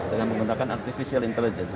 dengan menggunakan artificial intelligence